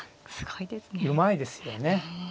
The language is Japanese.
うまいですよね。